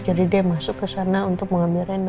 jadi dia masuk kesana untuk mengambil rena